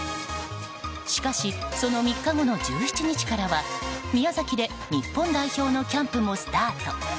しかし、その３日後の１７日からは宮崎で日本代表のキャンプもスタート。